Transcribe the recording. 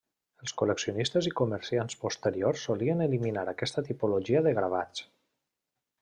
Els col·leccionistes i comerciants posteriors solien eliminar aquesta tipologia de gravats.